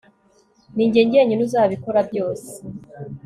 Ninjye njyenyine uzabikora byose